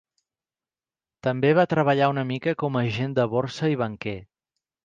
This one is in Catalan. També va treballar una mica com a agent de borsa i banquer.